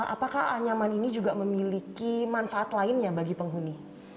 apakah anyaman ini juga memiliki manfaat lainnya bagi penghuni